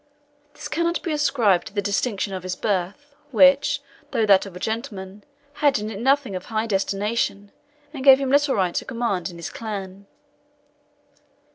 This cannot be ascribed to the distinction of his birth, which, though that of a gentleman, had in it nothing of high destination, and gave him little right to command in his clan.